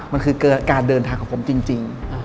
มันคือการเดินทางของผมจริง